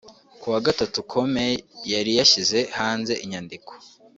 Ku wa Gatatu Comey yari yashyize hanze inyandiko